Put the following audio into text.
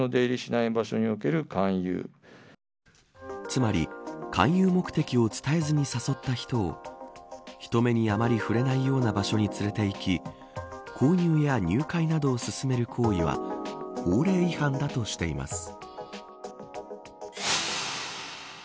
つまり勧誘目的を伝えずに誘った人を人目にあまり触れないような場所に連れて行き購入や入会などを勧める行為は法令違反だとしています。